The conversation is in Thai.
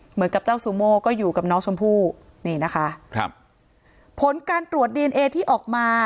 เหมือนกับเจ้าซูโม่ก็อยู่กับน้องชมพู่นี่นะคะครับผลการตรวจดีเอนเอที่ออกมา